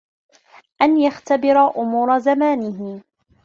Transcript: أَنْ يَخْتَبِرَ أُمُورَ زَمَانِهِ